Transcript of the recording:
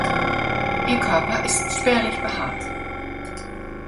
Ihr Körper ist spärlich behaart.